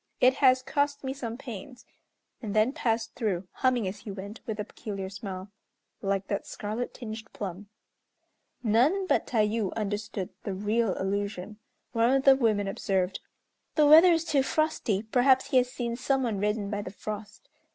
It has cost me some pains," and then passed through, humming as he went, with a peculiar smile, "Like that scarlet tinged plum." None but Tayû understood the real allusion. One of the women observed, "The weather is too frosty, perhaps he has seen some one reddened by the frost."